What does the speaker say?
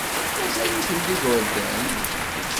Mazal-iten d igerdan.